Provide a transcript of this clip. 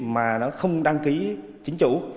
mà nó không đăng ký chính chủ